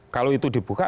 kalau itu dibuka